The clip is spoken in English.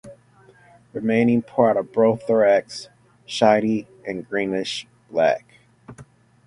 Remaining part of prothorax shiny and greenish black.